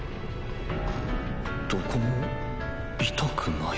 どこも痛くない。